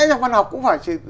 lẽ trong văn học cũng phải